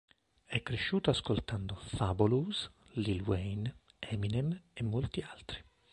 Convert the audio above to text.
È cresciuto ascoltando Fabolous, Lil Wayne, Eminem e molti altri.